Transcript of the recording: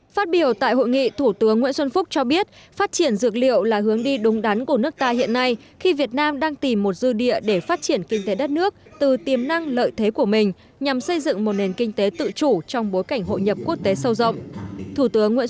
phát biểu tại hội nghị thủ tướng nguyễn xuân phúc cho biết phát triển dược liệu là hướng đi đúng đắn của nước ta hiện nay khi việt nam đang tìm một dư địa để phát triển kinh tế đất nước từ tiềm năng lợi thế của mình nhằm xây dựng một nền kinh tế tự chủ trong bối cảnh hội nhập quốc tế sâu rộng